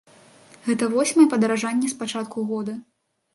Гэта восьмае падаражанне з пачатку года.